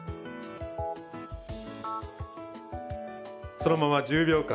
そのまま１０秒間。